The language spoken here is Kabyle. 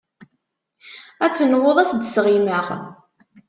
Ad tenwuḍ ad as-d-sɣimeɣ.